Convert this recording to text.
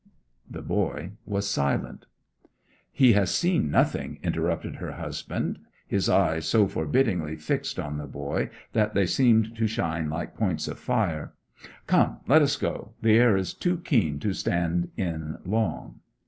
The boy was silent. 'He has seen nothing,' interrupted her husband, his eyes so forbiddingly fixed on the boy that they seemed to shine like points of fire. 'Come, let us go. The air is too keen to stand in long.'